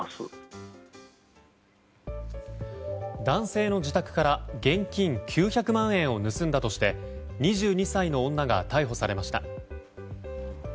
男性の自宅から現金９００万円を盗んだとして２２歳の女が逮捕されました。